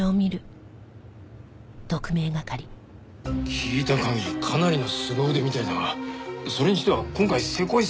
聞いた限りかなりのすご腕みたいだがそれにしては今回せこい